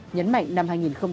nhấn mạnh năm hai nghìn hai mươi